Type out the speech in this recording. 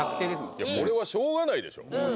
これはしょうがないでしょ